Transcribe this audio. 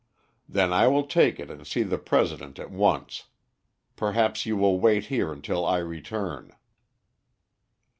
"Then I will take it and see the President at once. Perhaps you will wait here until I return."